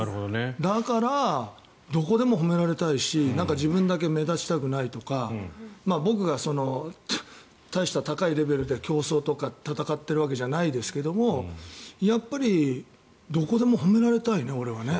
だから、どこでも褒められたいし自分だけ目立ちたくないとか僕が大した高いレベルで競争とか戦ってるわけじゃないですけどもやっぱりどこでも褒められたいね俺はね。